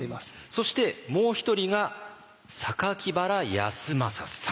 そしてもう一人が榊原康政さん。